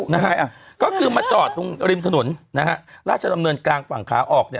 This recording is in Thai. นะฮะก็คือมาจอดตรงริมถนนนะฮะราชดำเนินกลางฝั่งขาออกเนี่ย